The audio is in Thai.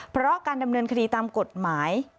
เพราะการดำเนินคดีตามกฎหมาย